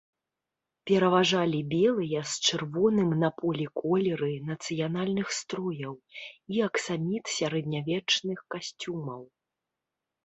Пераважалі белыя з чырвоным на полі колеры нацыянальных строяў і аксаміт сярэднявечных касцюмаў.